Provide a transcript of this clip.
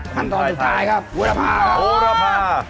ขั้นตอนสายครับคุณราภาครับคุณราภา